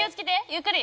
ゆっくり。